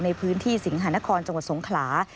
ในพื้นที่สิงหานครจังหวัดสงขลา